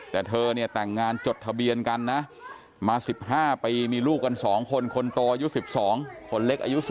เธอแต่งงานจดทะเดียนกันนะมา๑๕ปีมีลูกกัน๒คนคนตรอยู่๑๒คนเล็กอายุ